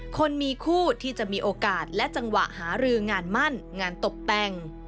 คนมีคู่ที่จะมีโอกาสและจังหวะหารืองานมั่นงานตบแต่ง